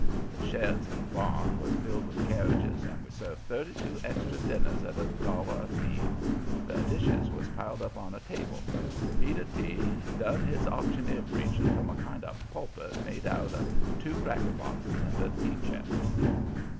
The sheds and barn was filled with carriages and we served thirty two extra dinners at a dollar a feed. The dishes was piled on a table and Peter T. done his auctioneer preaching from a kind of pulpit made out of two cracker boxes and a tea chest.